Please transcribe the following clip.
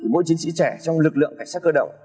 mỗi chiến sĩ trẻ trong lực lượng cảnh sát cơ động